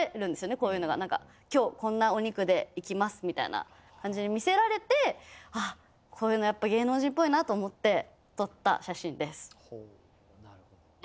こういうのがなんか今日こんなお肉でいきますみたいな感じに見せられてああこういうのやっぱ芸能人っぽいなと思って撮った写真です。